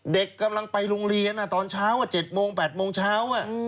เด็กกำลังไปโรงเรียนตอนเช้า๗โมง๘โมงเช้า